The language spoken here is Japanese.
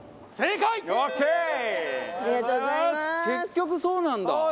結局そうなんだ。